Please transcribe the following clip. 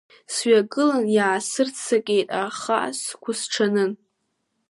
Сҩагылан иаасырццакит, аха сгәысҽанны.